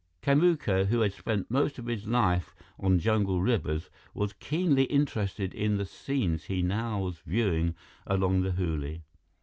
Kamuka, who had spent most of his life on jungle rivers, was keenly interested in the scenes he now was viewing along the Hooghly.